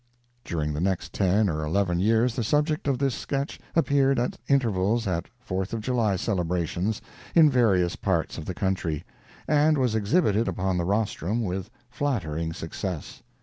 During the next ten or eleven years the subject of this sketch appeared at intervals at Fourth of July celebrations in various parts of the country, and was exhibited upon the rostrum with flattering success.